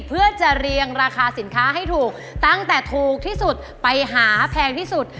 เพื่อจะเรียงราคาสินค้าให้ถูกตั้งแต่ถูกที่สุดไปหาแพงที่สุด